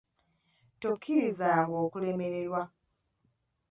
Tokkirizanga kulemererwa.